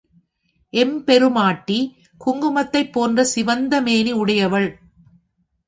எம்பெருமாட்டி குங்குமத்தைப் போன்ற சிவந்த திருமேனி உடையவள்.